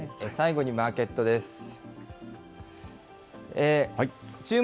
最後にマーケットです。